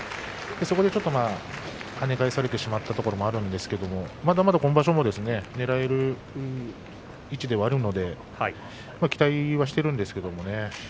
そこで跳ね返されてしまったところもあるんですけれどもまだまだ今場所もねらえる位置ではあるので期待はしているんですけれどもね。